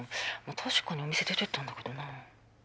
確かにお店出てったんだけどな。